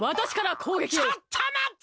ちょっとまった！